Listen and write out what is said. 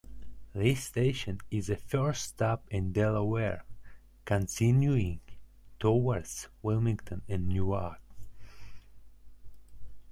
This station is the first stop in Delaware, continuing towards Wilmington and Newark.